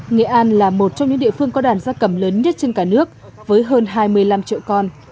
nghệ an là một trong những địa phương có đàn gia cầm lớn nhất trên cả nước với hơn hai mươi năm triệu con